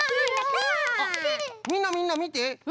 みんなみんなみて！